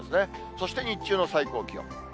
そして日中の最高気温。